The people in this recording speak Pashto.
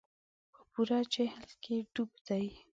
په پوره جهل کې ډوب دي.